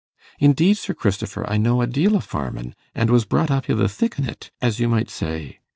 'Indeed, Sir Christifer, I know a deal o' farmin,' an' was brought up i' the thick on it, as you may say.